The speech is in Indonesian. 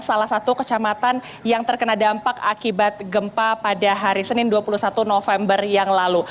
salah satu kecamatan yang terkena dampak akibat gempa pada hari senin dua puluh satu november yang lalu